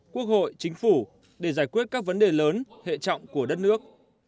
quốc hội chính phủ để giải quyết các vấn đề lớn hệ trọng của đất nước